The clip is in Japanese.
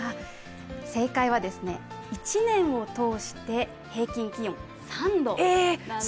正解は１年を通して平均気温３度なんです。